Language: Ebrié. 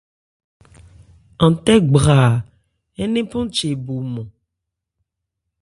An tɛ́ gbraa ńnephan che bo mɔn.